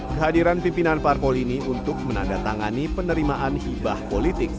kehadiran pimpinan parpol ini untuk menandatangani penerimaan hibah politik